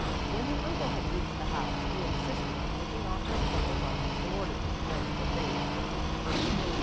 When the uncle had reached the house, he insisted on taking off his coat alone in order to prevent the things from being hurt.